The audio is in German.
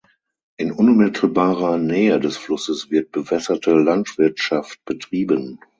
In unmittelbarer Nähe des Flusses wird bewässerte Landwirtschaft betrieben.